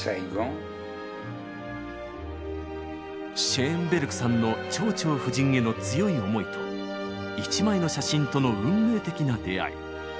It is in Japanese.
シェーンベルクさんの「蝶々夫人」への強い思いと一枚の写真との運命的な出会い。